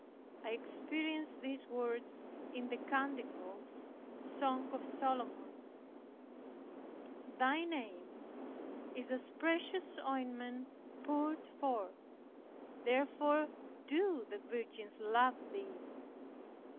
I experienced these words in the Canticles (Song of Solomon): "Thy name is as precious ointment poured forth; therefore do the virgins love thee."